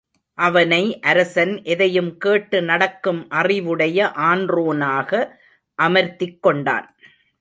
அவனை அரசன் எதையும்கேட்டு நடக்கும் அறிவுடைய ஆன்றோனாக அமர்த்திக் கொண்டான்.